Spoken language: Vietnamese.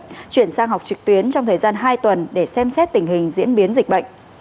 tình hình diễn sang học trực tuyến trong thời gian hai tuần để xem xét tình hình diễn biến dịch bệnh